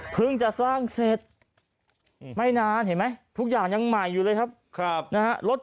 จะสร้างเสร็จไม่นานเห็นไหมทุกอย่างยังใหม่อยู่เลยครับนะฮะ